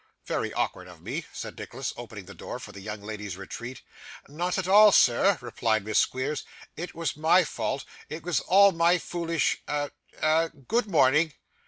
'Very awkward of me,' said Nicholas, opening the door for the young lady's retreat. 'Not at all, sir,' replied Miss Squeers; 'it was my fault. It was all my foolish a a good morning!